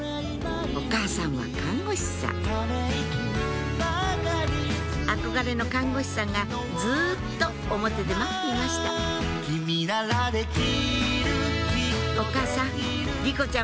お母さんは看護師さん憧れの看護師さんがずっと表で待っていましたお母さん莉子ちゃん